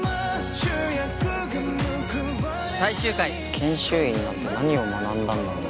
研修医になって何を学んだんだろうな。